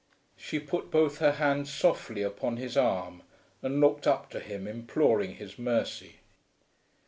She put both her hands softly upon his arm and looked up to him imploring his mercy.